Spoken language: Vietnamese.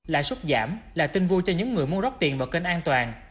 lãi suất giảm là tin vui cho những người muốn rót tiền vào kênh an toàn